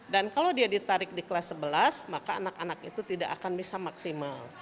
dan kalau dia ditarik di kelas sebelas maka anak anak itu tidak akan bisa maksimal